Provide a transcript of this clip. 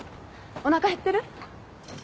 おなか減ってる？